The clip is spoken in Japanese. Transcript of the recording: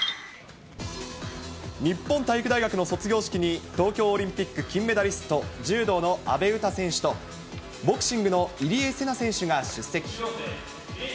日本体育大学の卒業式に、東京オリンピック金メダリスト、柔道の阿部詩選手と、ボクシングの入江聖奈選手が出席。